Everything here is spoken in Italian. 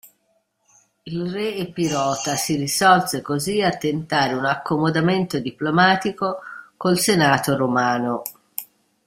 Il re epirota si risolse così a tentare un accomodamento diplomatico col senato romano.